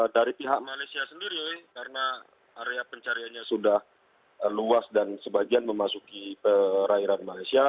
dari pihak malaysia sendiri karena area pencariannya sudah luas dan sebagian memasuki perairan malaysia